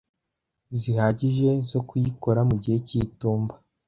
zihagije zo kuyikora mu gihe cy'itumba.